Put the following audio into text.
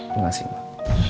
terima kasih mbak